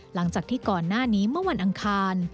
หลังจากที่ก่อนหน้านี้เมื่อวันอังคาร